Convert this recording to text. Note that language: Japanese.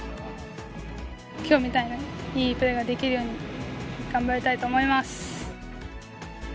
きょうみたいないいプレーができるように頑張りたいと思います。